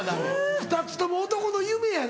２つとも男の夢やな。